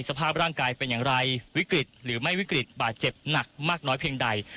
สภาพร่างกายเป็นอย่างไรวิกฤตหรือไม่วิกฤตบาดเจ็บหนักมากน้อยเพียงใด